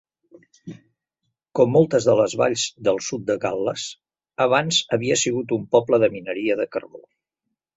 Com moltes de les valls del sud de Gal·les, abans havia sigut un poble de mineria de carbó.